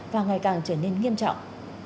và ngày càng trở nên nghiêm trọng